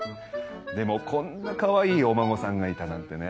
でもこんなカワイイお孫さんがいたなんてね。